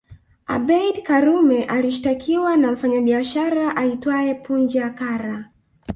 Abeid Karume alishtakiwa na mfanyabiashara aitwae Punja Kara